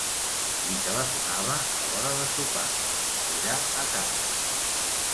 Li telefonava a l'hora de sopar, era a casa.